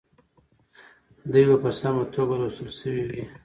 دوی به په سمه توګه لوستل سوي وي.